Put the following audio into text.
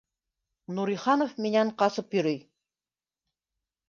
Нуриханов минән ҡасып йөрөй